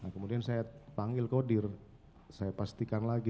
kemudian saya panggil kodir saya pastikan lagi